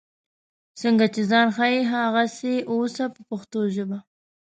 څنګه چې ځان ښیې هغسې اوسه په پښتو ژبه.